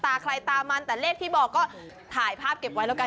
ใครตามันแต่เลขที่บอกก็ถ่ายภาพเก็บไว้แล้วกัน